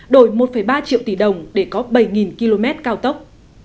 đổi một ba triệu tỷ đồng để có bảy km cao tốc